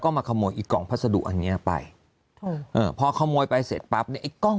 มาขโมยไอ้กล่องพัสดุอันเนี้ยไปพอขโมยไปเสร็จปั๊บเนี่ยไอ้กล้อง